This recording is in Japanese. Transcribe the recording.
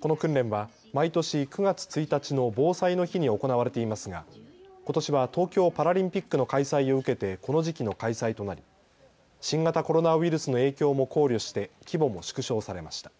この訓練は毎年９月１日の防災の日に行われていますがことしは東京パラリンピックの開催を受けてこの時期の開催となり新型コロナウイルスの影響も考慮して規模も縮小されました。